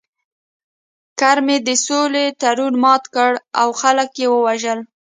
کرمي د سولې تړون مات کړ او خلک یې ووژل